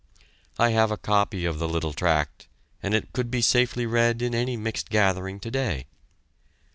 I have a copy of the little tract, and it could be safely read in any mixed gathering today.